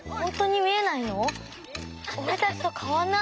おれたちとかわんない。